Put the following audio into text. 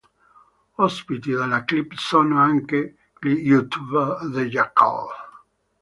Ospiti della clip sono anche gli youtuber The Jackal.